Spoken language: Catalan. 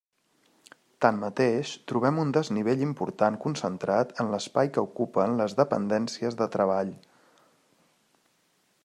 Tanmateix trobem un desnivell important concentrat en l'espai que ocupen les dependències de treball.